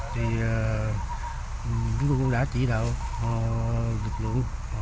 chúng tôi cũng đã chỉ đạo lực lượng